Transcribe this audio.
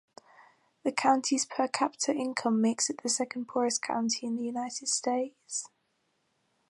The county's per-capita income makes it the second poorest county in the United States.